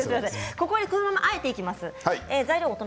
ここで、このままあえていきます。